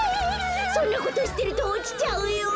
そんなことしてるとおちちゃうよ！